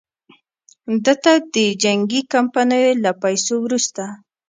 ده ته د جنګي کمپنیو له پیسو وروسته.